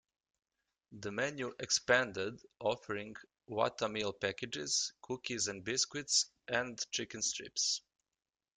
The menu expanded, offering Whatameal packages, cookies and biscuits, and chicken strips.